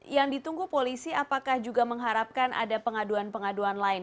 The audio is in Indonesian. yang ditunggu polisi apakah juga mengharapkan ada pengaduan pengaduan lain